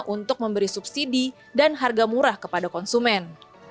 untuk memberi subsidi dan harga murah kepada konsumen